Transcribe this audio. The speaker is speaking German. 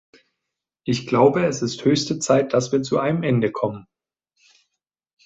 Ich glaube, es ist höchste Zeit, dass wir zu einem Ende kommen.